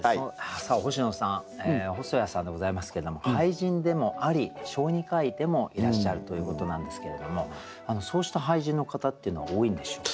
さあ星野さん細谷さんでございますけれども俳人でもあり小児科医でもいらっしゃるということなんですけれどもそうした俳人の方っていうのは多いんでしょうか？